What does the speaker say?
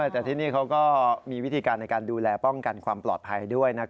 แต่ที่นี่เขาก็มีวิธีการในการดูแลป้องกันความปลอดภัยด้วย